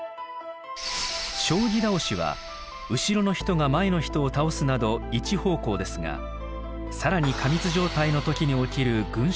将棋倒しは後ろの人が前の人を倒すなど一方向ですが更に過密状態の時に起きる群集